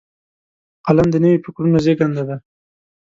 قلم د نوي فکرونو زیږنده دی